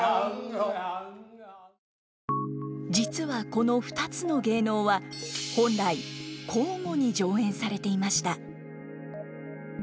実はこの２つの芸能は本来交互に上演されていました。